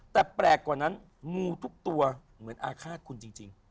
แต่แปลกกว่านั้นงูทุกตัวเหมือนอาฆาตคุณจริง